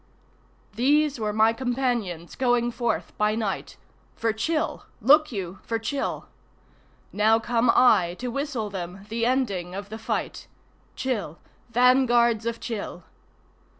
] These were my companions going forth by night (For Chil! Look you, for Chil!) Now come I to whistle them the ending of the fight. (Chil! Vanguards of Chil!)